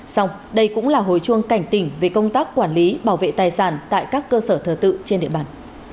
xong đây cũng là hồi chuông cảnh tỉnh về công tác quản lý bảo vệ tài sản tại các cơ sở thờ tự trên địa bàn